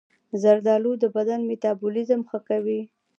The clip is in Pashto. زردآلو د بدن میتابولیزم ښه کوي.